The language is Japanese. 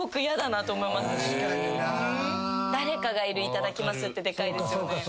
誰かがいる「いただきます」ってでかいですよね。